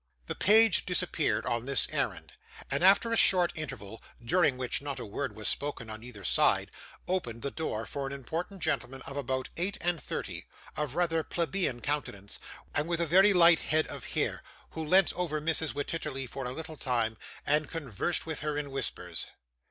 The page disappeared on this errand, and after a short interval, during which not a word was spoken on either side, opened the door for an important gentleman of about eight and thirty, of rather plebeian countenance, and with a very light head of hair, who leant over Mrs Wititterly for a little time, and conversed with her in whispers.